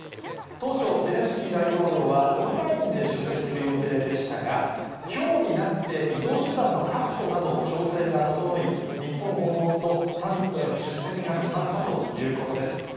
当初、ゼレンスキー大統領はオンラインで出席する予定でしたが、きょうになって、移動手段の確保など、調整が整い、日本訪問とサミットへの出席が決まったということです。